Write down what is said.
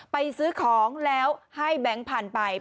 ซื้อของแล้วให้แบงค์พันธุ์ไป